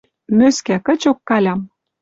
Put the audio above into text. Мӧскӓ кычок Калям!